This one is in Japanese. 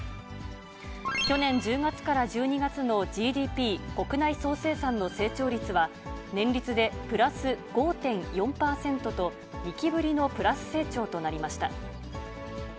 去年１０月から１２月のＧＤＰ・国内総生産の成長率は、年率でプラス５．４％と、２期ぶりのプラス成長となりました。